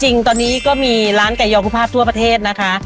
จริงตอนนี้ก็มีร้านไก่ยองกุภาพทั่วประเทศนะคะ